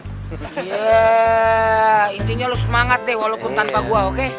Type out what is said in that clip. iyaa intinya lo semangat deh walaupun tanpa gue oke